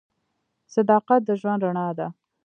• صداقت د ژوند رڼا ده.